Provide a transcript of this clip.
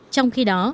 trong khi đó